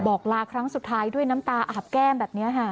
บอกลาครั้งสุดท้ายด้วยน้ำตาอาบแก้มแบบนี้ค่ะ